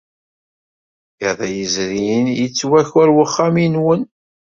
Iḍ yezrin, yettwaker wexxam-nwen.